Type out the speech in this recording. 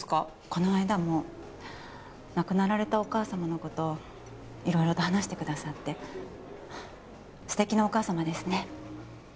この間も亡くなられたお母様のこと色々と話してくださって素敵なお母様ですね